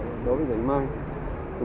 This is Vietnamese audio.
đối với bệnh viện bạch mai